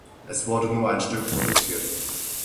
Es wurde nur ein Stück produziert.